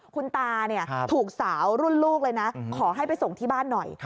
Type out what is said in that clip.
คุณตาถูกสาวรุ่นลูกเลยนะขอให้ไปส่งที่บ้านหน่อย